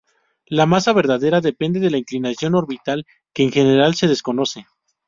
La masa verdadera depende de la inclinación orbital, que en general se desconoce.